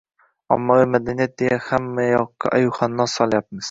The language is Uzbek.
Ommaviy madaniyat deya hamma yoqqa ayyuhannos solyapmiz